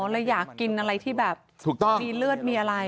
อ๋อแล้วอยากกินอะไรที่แบบมีเลือดมีอะไร